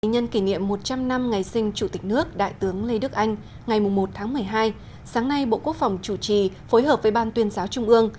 nhân kỷ niệm một trăm linh năm ngày sinh chủ tịch nước đại tướng lê đức anh ngày một tháng một mươi hai sáng nay bộ quốc phòng chủ trì phối hợp với ban tuyên giáo trung ương